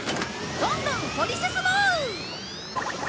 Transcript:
どんどん掘り進もう！